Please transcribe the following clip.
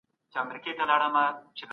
سفیران څنګه د کډوالو ستونزي حل کوي؟